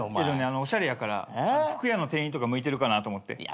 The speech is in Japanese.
でもねおしゃれやから服屋の店員とか向いてるかなと思って。